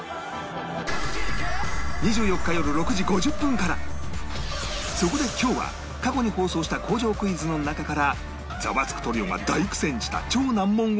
果たしてそこで今日は過去に放送した工場クイズの中からザワつくトリオが大苦戦した超難問を厳選！